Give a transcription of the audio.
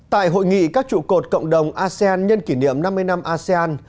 tại hội nghị các trụ cột cộng đồng asean nhân kỷ niệm năm mươi năm asean